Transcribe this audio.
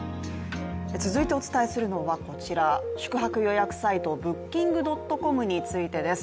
続いてお伝えするのはこちら、宿泊予約サイトＢｏｏｋｉｎｇ．ｃｏｍについてです。